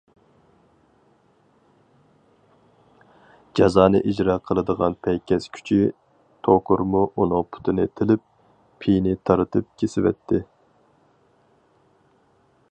جازانى ئىجرا قىلىدىغان پەي كەسكۈچى توكۇرمۇ ئۇنىڭ پۇتىنى تىلىپ، پېيىنى تارتىپ كېسىۋەتتى.